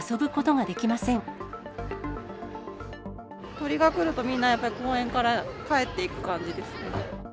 鳥が来ると、みんなやっぱり公園から帰っていく感じですね。